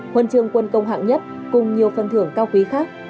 huân chương quân công hạng nhất cùng nhiều phần thưởng cao quý khác